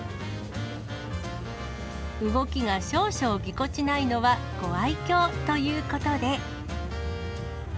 動きが少々ぎこちないのはご愛きょうということで。